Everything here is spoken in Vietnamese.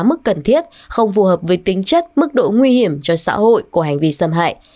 mức cần thiết không phù hợp với tính chất mức độ nguy hiểm cho xã hội của hành vi xâm hại